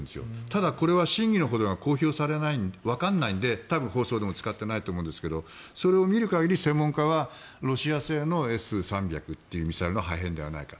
ただ、これは真偽のほどがわからないので放送でも使っていないと思うんですけどそれを見る限り専門家はロシア製のＳ３００というミサイルの破片ではないか。